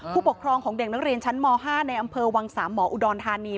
ผู้ปกครองของเด็กนักเรียนชั้นม๕ในอำเภอวังสามหมออุดรธานี